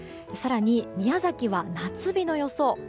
更に、宮崎は夏日の予想。